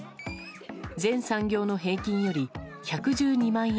全産業の平均より１１２万円